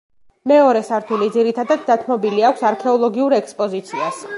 მეორე სართული ძირითადად დათმობილი აქვს არქეოლოგიურ ექსპოზიციას.